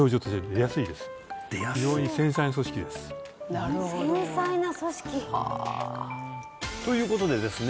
なるほどはあ繊細な組織ということでですね